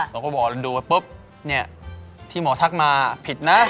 เราก็บอกดูไปปุ๊บเนี่ยที่หมอทักมาผิดนะ